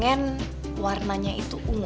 aku pengen warnanya itu ungu